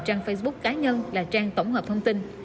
trang facebook cá nhân là trang tổng hợp thông tin